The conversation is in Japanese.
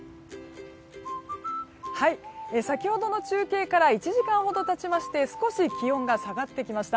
先ほどの中継から１時間ほど経ちまして少し気温が下がってきました。